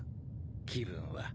気分は。